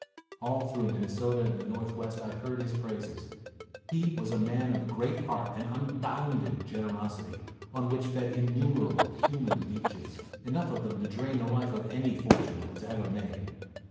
All through Minnesota and the North west I heard his praises. He was a man of great heart and unbounded generosity, on which fed innumerable human leeches, enough of them to drain the life of any fortune that was ever made.